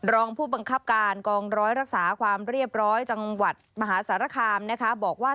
รองผู้บังคับการกองร้อยรักษาความเรียบร้อยจังหวัดมหาสารคามนะคะบอกว่า